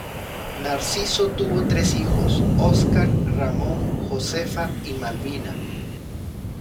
Narciso tuvo tres hijos, Óscar Ramón, Josefa y Malvina.